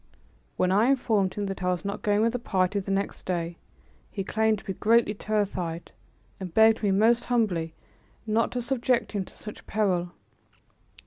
When I informed him that I was not going with the party the next day, he claimed to be greatly terrified and begged me most humbly not to subject him to such peril.